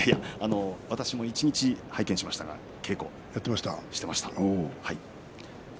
私も一日拝見しましたが稽古をしていました。